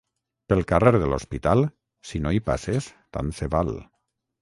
Pel carrer de l'Hospital, si no hi passes tant se val.